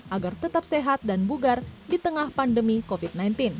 agar tetap sehat dan bugar di tengah pandemi covid sembilan belas